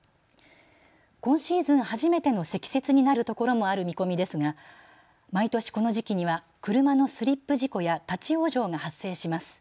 今シーズン初めての積雪になる所もある見込みですが毎年この時期には車のスリップ事故や立往生が発生します。